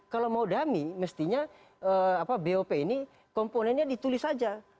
kalau mau dami mestinya bop ini komponennya ditulis saja